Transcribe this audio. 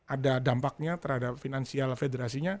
ada dampaknya terhadap finansial federasinya